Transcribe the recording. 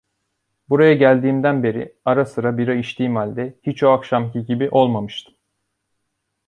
Buraya geldiğimden beri ara sıra bira içtiğim halde hiç o akşamki gibi olmamıştım.